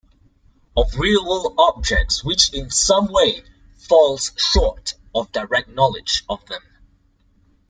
of real-world objects which in some way falls short of direct knowledge of them.